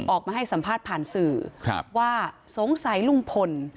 ออกมาให้สัมภาษณ์ผ่านสื่อว่าสงสัยลุงพล